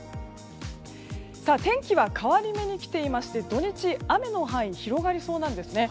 天気は変わり目に来ていまして土日、雨の範囲が広がりそうなんです。